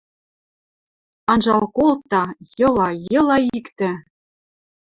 Анжал колта — йыла, йыла иктӹ!